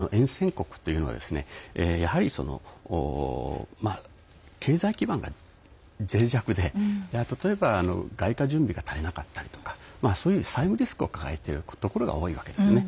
金融的リスクというのはそもそも一帯一路の沿線国というのはやはり経済基盤がぜい弱で例えば、外貨準備が足りなかったりとかそういう債務リスクを抱えているところが多いわけです。